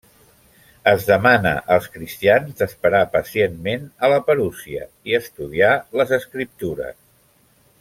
Es demana als cristians d'esperar pacientment a la parusia, i estudiar les Escriptures.